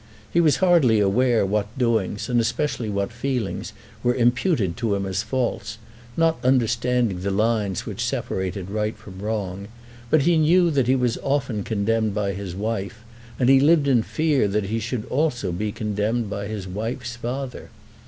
He was hardly aware what doings, and especially what feelings, were imputed to him as faults, not understanding the lines which separated right from wrong; but he knew that he was often condemned by his wife, and he lived in fear that he should also be condemned by his wife's father.